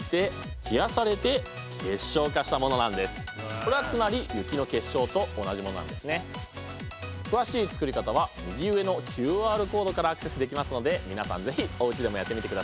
これはつまり詳しい作り方は右上のＱＲコードからアクセスできますので皆さん是非おうちでもやってみてくださいね。